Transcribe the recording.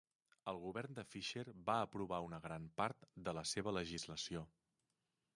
El govern de Fisher va aprovar una gran part de la seva legislació.